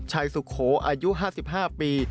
ชายสุโขอายุห้าสิบห้าปี